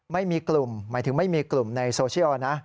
ไม่มีกลุ่มหมายถึงไม่มีกลุ่มในโซเชียลนะ